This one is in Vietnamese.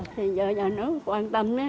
thì giờ nhà nước quan tâm